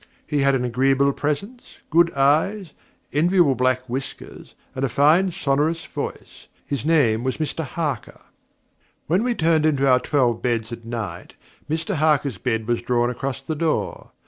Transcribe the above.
He had an agreeable presence, good eyes, enviable black whiskers, and a fine sonorous voice. His name was Mr Harker. When we turned into our twelve beds at night, Mr Harker's bed was drawn across the door.